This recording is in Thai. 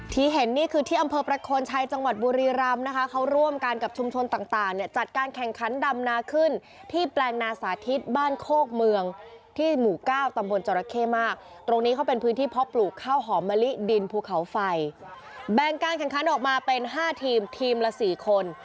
ที่เห็นนี่คือที่อำเภอประโคนชัยจังหวัดบุรีรำนะคะเขาร่วมกันกับชุมชนต่างเนี่ยจัดการแข่งขันดำนาขึ้นที่แปลงนาสาธิตบ้านโคกเมืองที่หมู่เก้าตำบลจรเข้มากตรงนี้เขาเป็นพื้นที่เพาะปลูกข้าวหอมมะลิดินภูเขาไฟแบ่งการแข่งขันออกมาเป็นห้าทีมทีมละสี่คน